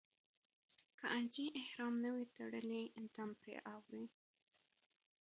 که حاجي احرام نه وي تړلی دم پرې اوړي.